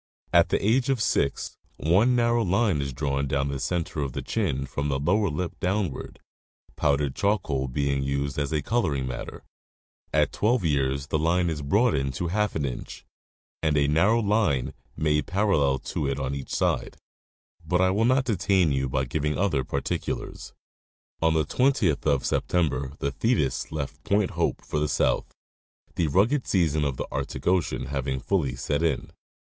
At the age of six one narrow line is drawn down the center of the chin from the lower lip down ward, powdered charcoal being used as coloring matter. At twelve years the line is broadened to half an inch, and a narrow line made parallel to it on each side. But I will not detain you by giving other particulars. On the 20th of September the Thetis left Point Hope for the south, the rugged season of the Arctic ocean having fully set in.